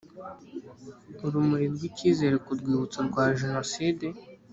urumuri rw icyizere ku rwibutso rwa jenoside